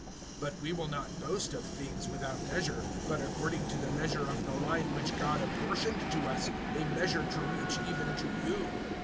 (13)But we will not boast of things without measure, but according to the measure of the line which God apportioned to us, a measure to reach even to you.